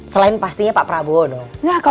selain pastinya pak prabowo dong